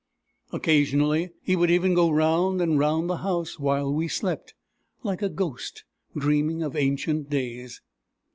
Occasionally he would even go round and round the house while we slept, like a ghost dreaming of ancient days.